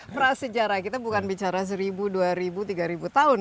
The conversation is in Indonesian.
prasejarah kita bukan bicara seribu dua ribu tiga ribu tahun